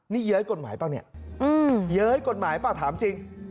นี่เย้ยกฎหมายเปล่าเนี่ยเย้ยกฎหมายเปล่าถามจริง